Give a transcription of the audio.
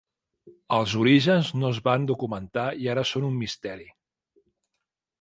Els orígens no es van documentar i ara són un misteri.